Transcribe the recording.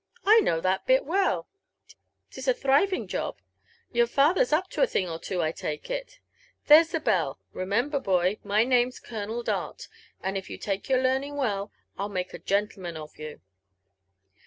I know that bit well ; 'lis a thriving job,— your father's up to a thing or two, I lake it. There's the bell :— re member, boy, my name's Colonel Dart ; and if you lake your learning well, I'll make a genlleman of you."